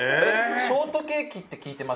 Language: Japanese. ショートケーキって聞いてましたよね